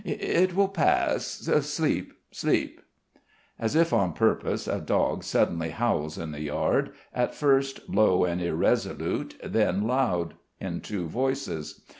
It will pass.... Sleep, sleep." As if on purpose a dog suddenly howls in the yard, at first low and irresolute, then aloud, in two voices.